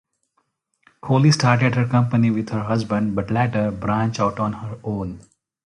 Kohli started her company with her husband but later branched out on her own.